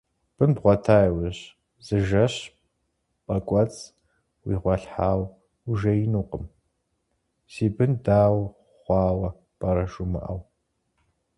Бын бгъуэта иужь, зы жэщ пӏэкӏуэцӏ уигъуалъхьэу ужеинукъым, си бын дау хъуауэ пӏэрэ жумыӏэу.